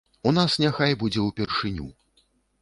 У нас няхай будзе ўпершыню.